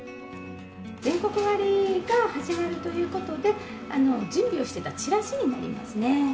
全国割が始まるということで、準備をしてたチラシになりますね。